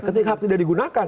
ketika hak tidak digunakan